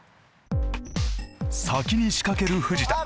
先に仕掛ける藤田。